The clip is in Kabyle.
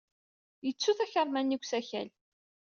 Yettu takamra-nni deg usakal.